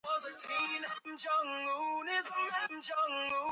შემდეგ შედიოდა ლიდიის სამეფოში.